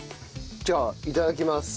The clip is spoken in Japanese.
じゃあいただきます。